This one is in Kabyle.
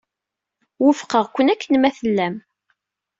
Wufqeɣ-ken akken ma tellam.